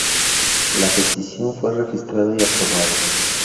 La decisión fue registrada y aprobada.